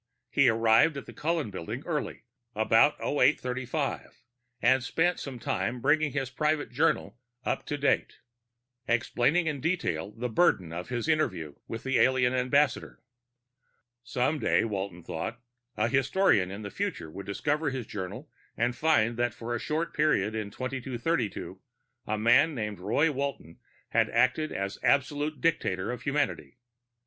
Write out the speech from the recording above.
He arrived at the Cullen Building early, about 0835, and spent some time bringing his private journal up to date, explaining in detail the burden of his interview with the alien ambassador. Some day, Walton thought, a historian of the future would discover his journal and find that for a short period in 2232 a man named Roy Walton had acted as absolute dictator of humanity.